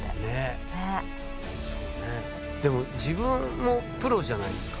でも自分もプロじゃないですか。